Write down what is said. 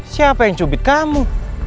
siapa yang cubit kamu